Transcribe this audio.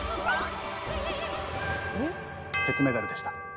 鉄メダルでした。